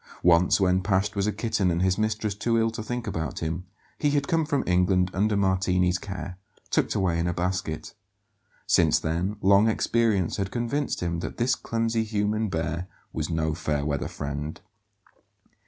Once, when Pasht was a kitten and his mistress too ill to think about him, he had come from England under Martini's care, tucked away in a basket. Since then, long experience had convinced him that this clumsy human bear was no fair weather friend.